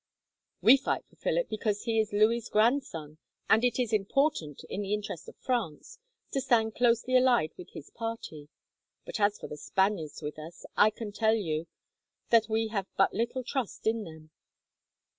"We fight for Philip because he is Louis's grandson, and it is important in the interest of France to stand closely allied with his party. But as for the Spaniards with us, I can tell you that we have but little trust in them."